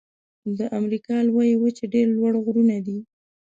د امریکا لویې وچې ډېر لوړ غرونه دي.